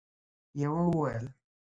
يوه وويل: